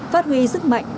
phát huy sức mạnh